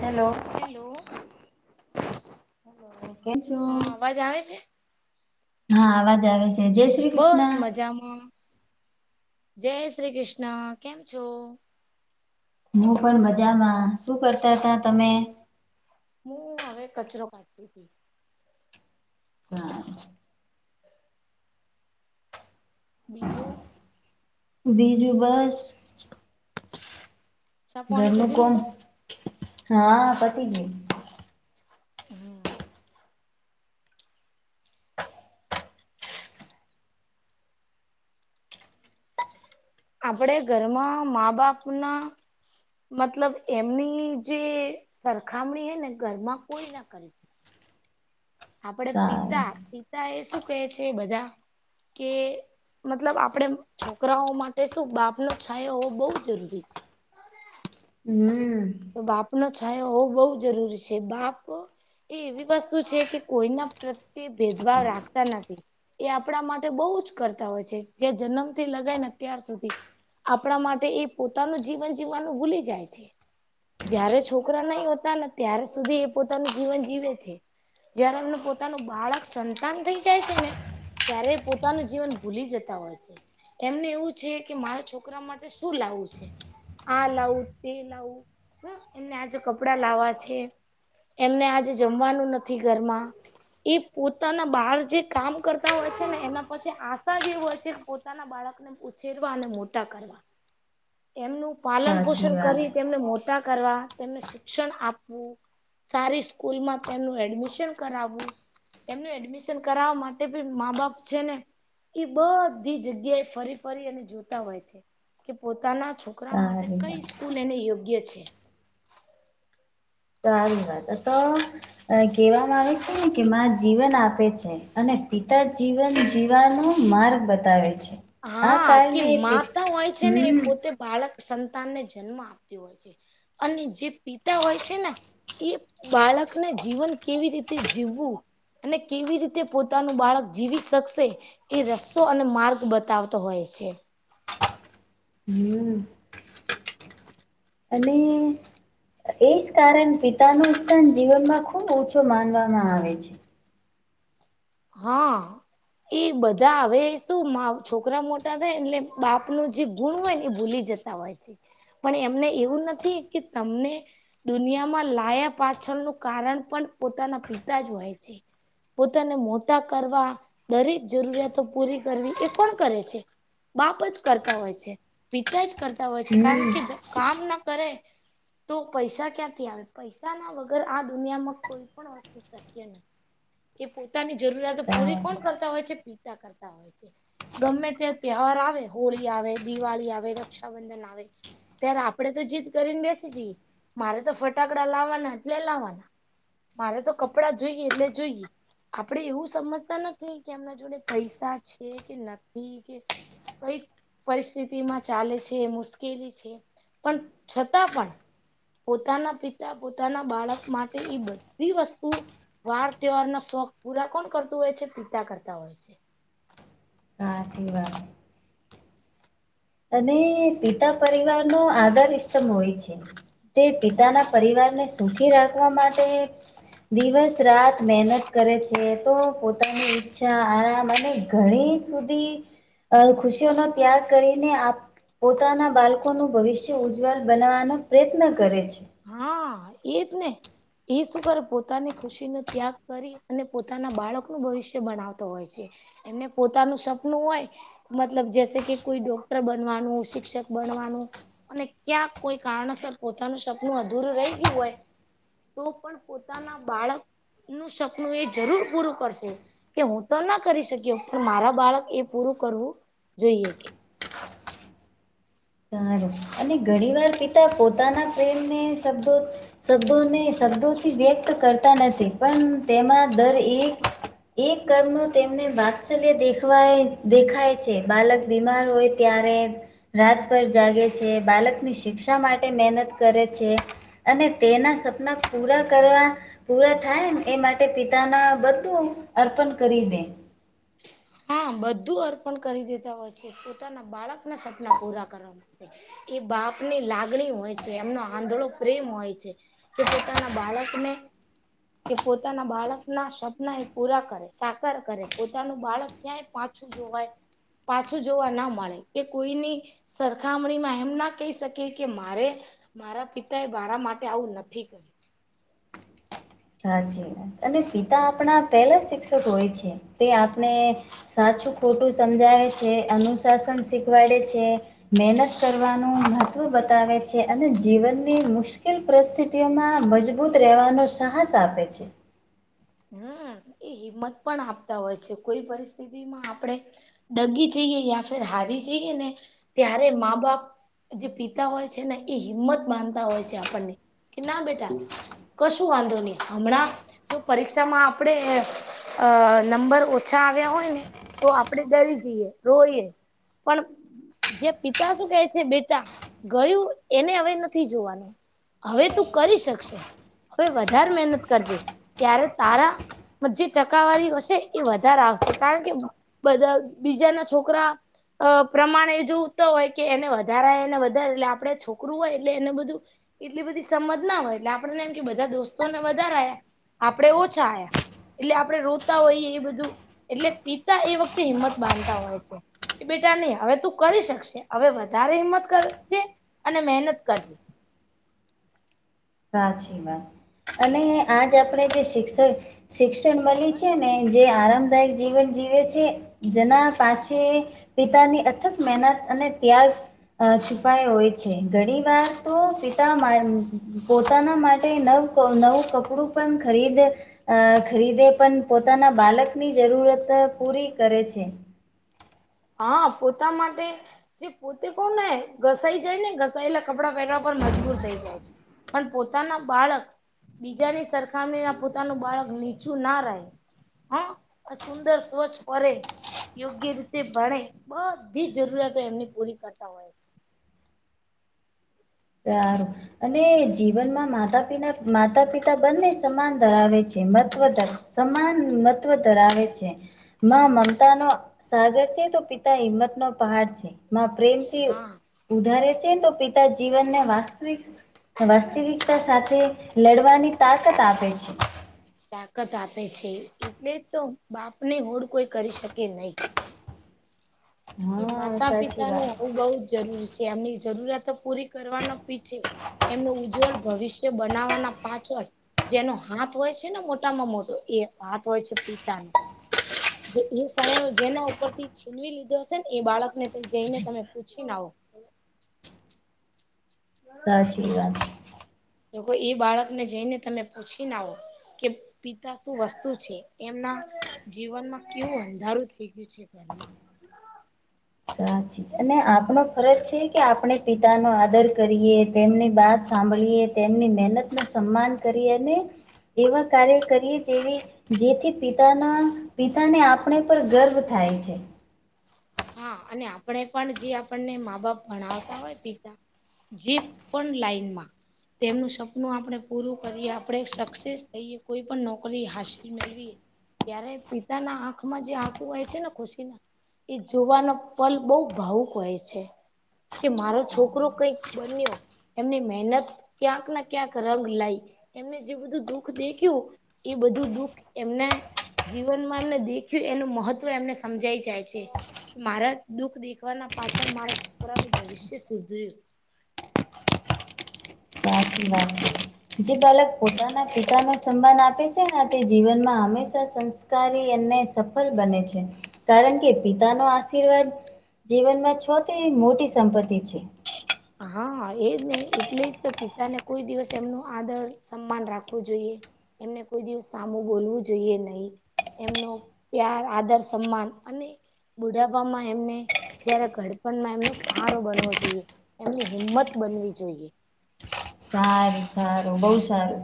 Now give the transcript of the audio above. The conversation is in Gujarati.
હલો. હેલો. કેમ છો? હા અવાજ આવે છે? હા આવાજ આવે છે. જે બસ મજામાં. જય શ્રી કૃષ્ણ. કેમ છો? હું પણ મજામાં. શું કરતા તા તમે? હું હવે કચરો કાઢતી હતી. બીજું બીજું બસ ચા પાણી ઘરનું કરી કોમ- લીધા હા, પતિછે હમ્મ આપડે ઘરમાં મા બાપના મતલબ એમની જે સરખામણી હે ને ઘરમાં કોઈ ના કરે, આપડે સારું પિતા પિતા એ શું કહે છે, બધા કે મતલબ આપણે છોકરાઓ માટે શું બાપ નો છાયો હોવો બહુ જરૂરી છે. હમ્મ તો બાપ નો છાયો હોવું બહુ જરૂરી છે, બાપ એ એવી વસ્તુ છે કે કોઈના પ્રત્યે ભેદભાવ રાખતા નથી, એ આપણા માટે બહુ જ કરતા હોય છે, જે જન્મથી લગાય ને અત્યાર સુધી, આપણા માટે એ પોતાનું જીવન જીવવાનું ભૂલી જાય છે. જયારે છોકરા નહી હોતા ને ત્યારે સુધી એ પોતાનું જીવન જીવે છે, જયારે એમનું પોતાનું બાળક સંતાન થઈ જાય છે ને ત્યારે પોતાનું જીવન ભૂલી જતા હોય છે, એમને એવું છે કે મારા છોકરા માટે શું લાવવું છે, આ લાવું તે લાવું એને આજે કપડા લાવવા છે, એમને આજે જમવાનું નથી ઘરમાં એ પોતાના બાર જે કામ કરતા હોય છે ને એના પછી આશા જેવી હોય છે, કે પોતાના બાળકને ઉછેરવા અને મોટા કરવા એમનું પાલન સાચી પોષણ વાત કરી તેમને મોટા ટા કરવા તેમને શિક્ષણ આપવું, સારી સ્કૂલમાં તેમનું એડમિશન કરાવવું એમનું એડમિશન કરાવવા માટે પણ મા બાપ છે ને, એ બધી જગ્યા એ ફરી ફરી અને જોતા હોય છે, કે પોતાના છોકરા છોકરા માટે સારી કઈ વાત સ્કૂલ એને યોગ્ય છે, સારી વાત તો આવે છે ને કે મા જીવન આપે છે, અને પિતા જીવન જીવવાનું માર્ગ બતાવે છે, આ હા, કે કારણે પિત માતા હોય છે ને એ હમ પોતે બાળક સંતાનને જન્મ આપતી હોય છે, અને જે પિતા હોય છે ને એ બાળકને જીવન કેવી રીતે જીવવું અને કેવી રીતે પોતાનું બાળક જીવી શકશે, એ રસ્તો અને માર્ગ બ તાવતો હોય છે, હમ્મ અને એ જ કારણ પિતા નું સ્થાન જીવનમાં ખુબ ઓછો માનવામાં આવે છે, હા ઈ બધા આવે શું મા છોકરા મોટા થાય એટલે બાપનું જે ગુણ હોય ને એ ભૂલી જતા જતા હોય છે, પણ એમને એવું નથી કે તમને દુનિયામાં લાયા પાછળનું કારણ પણ પોતાના પિતા જ હોય છે, પોતાને મોટા કરવા દરેક જરૂરિયાતો પૂરી કરવી એ પણ કરે છે, બાપ જ કરતા હોય છે પિતા જ કરતા હોય છે કારણ હમ કે કામ ના કરે તો પૈસા ક્યાંથી આવે પૈસા ના વગર આ દુનિયામાં કોઈ પણ વસ શક્ય ને કે પોતાની જરૂરતો પૂરી સારું કોણ કરતા હોય છે પિતા કરતા હોય છે. ગમે ત્યાં તહેવાર આવે હોળી આવે દિવાળી આવે રક્ષાબંધન આવે ત્યારે આપડે તો જીદ કરીને બેસે જઈ, મારે તો ફટાકડા લાવવાના એટલે લાવવાના મારે તો કપડાં જોઈએ એટલે જોઈએ! આપણે એવું સમજતા નથી કે એમના જોડે પૈસા છે કે નથી કે- કઈ પરિસ્થિતિ માં ચાલે છે, મુશ્કેલી છે. પણ છતાં પણ- પોતાના પિતા પોતાના બાળક માટે એ બધી વસ્તુ- વાર તહેવાર ન શોખ પૂરા કોણ કરતું હોય છે પિતા કરતા હોય છે. આચી વાત અને પિતા પરિવાર નો આધાર સ્તંભ હોય છે. તે પિતાના પરિવારને સુખી રાખવા માટે- દિવસ રાત મહેનત કરે છે તો પોતાની ઈચ્છા આરામ અને- ઘણી સુધી અ ખુશીઓ નો ત્યાગ કરી- પોતાના બાળકો નું ભવિષ્ય ઉજ્જવલ બનાવાનો પ્રયત્ન કરે છે. હા એ જ ને! એ શું કરે પોતાની ખુશીનોો ત્યાગ કરી અને પોતાના બાળકનુંું ભવિષ્ય બનાવતો હોય છે. એમને પોતાનું સપનું હોય. મતલબ જસે કે કોઈ ડોક્ટર બનવાનું શિક્ષક બનવાનું. અને ક્યાં કોઈ કારણસર પોતાનું સપનું અધૂરું રહી ગયું હોય. તો પણ પોતાના બાળકનું સપનું એ જરૂર પૂરું કરશે. કે હું તો ના કરી શક્યો પણ મારા બાળક એ પૂરું કરવું જોઈએ કે- સારું અને ઘણી વાર પિતા પોતાના પ્રેમને શબ્દો- શબ્દોને શબ્દોથી વ્યક્ત કરતા નથી પણ તેમાં દર એક- એ કરતું નો તેમને વાત્સલ્ય દેખવાય દેખાય છે બાલક બીમાર હોય ત્યારે રાત પર જાગે છે બાળકની શિક્ષા માટે મહેહનત કરે છે અને તેના સપના પૂરા કરવા- પૂરા થાય એ માટે પિતાના બધું અર્પણ કરી દે. હા બધું અર્પણ કરી દેતા હોય છે. પોતાના બાળકના સપના પૂરા કરવામાં એ બાપ ની લાગણી હોય છે. એમનો આંધોળો પ્રેમ હોય છે. કે પોતાના બાળકને કે પોતાના બાળક ના સવપ્ના એ પૂરા કરે સાકાર કરે પોતાનું બાળક ક્યાંય પાછું જોવાય પાછું જોવા ના મળે કે કોઈની- સરખામણીમાં એમ ના કહી શકે કે મારે- મારા પિતા એ મારા માટે આવું નથી કર્યું સાચી વાત અને પિતા આપણા પહેલા શિક્ષક હોય છે તે આપણે- સાચું ખોટું સમજાવે છે અનુશાસન શીખવાડે છે. મહેનત કરવાનું મહત્વ બતાવે છે અને જીવનની મુશ્કેલ પરિસ્થિત. માં મજબૂત રહેવાનો સાહસ આપે છે. હમ એ હિંમત પણ આપતા હોય છે કોઈ પરિસ્થિતિ માં આપણે- ડગી જઈએ યા ફેર હારી જઈએ ને ત્યારે મા બાપ. જે પિતા હોય છે ને એ હિંમત માનતા હોય છે. આપણને કે ના બેટા- કશું વાંધો નહી હમણાં- જો પરીક્ષામાં આપણેે- અ નંબર ઓછા આવ્યા હોય ને તો આપણેે ડરી જઈએ રોઈએ- પણ જે પિતા શું કેહે છે બેટા ગયું એને હવે નથી જોવાનું- હવે તું કરી શકશે હવે વધારે મહેનત કરજે ત્યારે તારા- જે ટકાવારી હશે એ વધારે આવશે કારણ કે બધા બીજાના છોકરા- અ પ્રમાણ એ જોત હોય કે એને વધારે એને વધારે એટલે આપણે છોકરું હોય એટલે એને બધું- એટલી બધી સમજ ના હોય એટલે આપેને એમ કે બધા દોસ્તોને વધારે આવ્યા આપડે ઓછા આયા - એટલે આપડણે રોતા હોઈએ એ બધું એટલે પિતા એ વખતે હિંમત બાંધતા હોય છે. બેટા નહી હવે તું કરી શકશે હવે વધારે હિંમત કરજે અને મહેનત કરજે. સાચી વાત. અને આજ આપણેે જે શિક્ષક શિક્ષણ મળી છે ને જે આરામદાયક જીવન જીવ છે. જેના પાછ પિતાની અથક મહેનત અને ત્યાગ અ છુપાય હોય છે. ઘણી વાર તો પિતા મા પોતાના માટે નવ નવું કપડું પણ ખરીદ અ ખરીદે પણ પોતાના બાલકની જરૂરત પૂરી કરે છે. હા. પોતા માટે જે પોતે કોણનેને ઘસાઈ જાય ને ઘસાયેલા કપડાં પહેરવા પર મજબૂર થઈ જાય છે. પણ પોતાના બાળક બીજાની સરખામણી ના પોતાનું બાળક નીચું ના રહે હા. આ સુંદર સ્વચ્છ કરે યોગ્ય રીતે તે ભણે બધી જરૂરિયાતો એમની પૂરી કરતા હોય છે. તાર. અને જીવનમાં માતા પિના માતા પિતા બંને સમાન ધરાવે છે. મહત્વ ધ સમાન મત્વ ધર આવે છે. માં મમતા નો સાગર છે તો પિતા હિંમત નો પહાડ છે. માં પ્રેમથી હા. ઉધારે છે. ને તો પિતા જીવનને વાસ્તવિક વાસ્તવિક તા સાથે લડવાની તાકાત આપે છે. તાકાત આપે છે. એટલે તો બાપને હોડ કોઈ કરી શકે નહી. કે હા માતા સાચી પિતા વાત નું હોવું બઉુ જ જરૂરી છે. એમની જરૂરતો પૂરી કરવાનો પી છે. એમનું ઉજ્જવળ ભવિષ્ય બનાવવાના પાછળ જેનો હાથ હોય છે ને મોટામાં મોટો એ હાથ હોય છે. પિતાનો એ સાં જેના ઉપર થી છીનવી લીધો. એ બાળકને જઈને તમે પૂછી ના આવ સા્રી વાત. તોઈ એ બાળકને જઈને તમે પૂછીને આવો. કે પીતા શું વસ્તુ છે એમના જીવનમાં કેવું અંધારું થઈ ગયું છે. ઘરમાં સાચી. અને આપણો ફરજ છે કે આપણે પિતા નો આદર કરીએ. તેમની વાત સાંભળીએ તેમની મહેનત નું સન્માન કરી. અને એવા કાર્ય કરીએ જેવી જેથી પિતાના પિતાને આપણે પર ગર્વ થાય છે. હા અને આપણે પણ જે આપણને મા બાપ ભણાવતા હોય, પિતા જે પણ લાઈનમાં તેમનું સપનું આપણે પૂરું કરીએ. આપણે સક્સેસ થઈએ. કોઈ પણ નોકરી હાસલ મેળવીએ. ત્યારે પિતાના આંખમાં જે આંસુ હોય છે ને ખુશી ના એ જોવાનો પલ બહુ ભાવુક હોય છે. કે મારો છોકરો કઈક બન્યો. એમની મહેનત ક્યાંક ના ક્યાંક રંગ લાય. એમને જે બધું દુખ દેખ્યું એ બધું દુખ એમના જીવનમાં એમને દેખ્યું એનું મહત્વ એમને સમજાય જાય છે. કે મારા દુઃખ દેખવાના પાછળ મારા છોકરાનું ભવિષ્ય સુધર્યું. સાાસી વાત. જે બાલક પોતાના પિતા ન સન્માન આપે છે. તે જીવનમાં હંમેશા સં અનેને સફળ બને છે. કારણ કે પિતા નો આશીર્વાદ જીવનમાં સૌથી મોટી સંપત્તિ છે. હા એજ ને એટલે જ તો પિતાને કોઈ દિવસ એમનું આદર સન્માન રાખવું જોઈએ. એમને કોઈ દિવસ સામું બોલવું જોઈએ નહી, એમનો પ્યાર આદર સન્માન અને બુઢાપામાં એમને જયારે ગડપણમાં એમનો સહારો બનવો જોઈએ. એમની હિંમત બનવી જોઈએ. સારું સારું બહુ સારું.